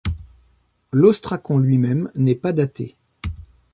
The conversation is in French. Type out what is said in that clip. L'ostracon lui-même n'est pas daté.